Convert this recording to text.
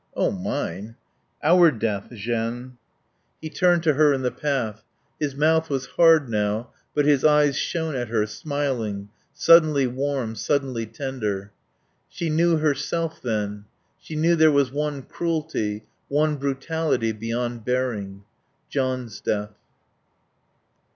"Oh, mine " "Our death, Jeanne." He turned to her in the path. His mouth was hard now, but his eyes shone at her, smiling, suddenly warm, suddenly tender. She knew herself then; she knew there was one cruelty, one brutality beyond bearing, John's death.